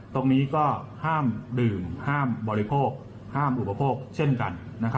ตรงนี้ก็ห้ามดื่มห้ามบริโภคห้ามอุปโภคเช่นกัน